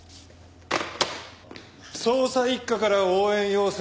捜査一課から応援要請。